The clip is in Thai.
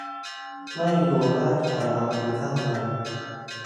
ไม่รู้ว่าใครเอามันเข้ามา